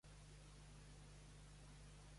“Els lectors demanen redempció”, ha lamentat.